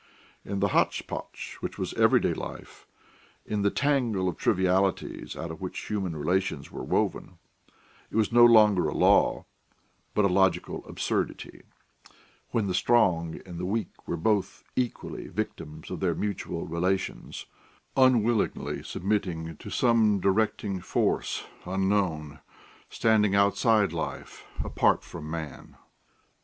In the hotchpotch which was everyday life, in the tangle of trivialities out of which human relations were woven, it was no longer a law, but a logical absurdity, when the strong and the weak were both equally victims of their mutual relations, unwillingly submitting to some directing force, unknown, standing outside life, apart from man.